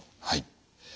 はい。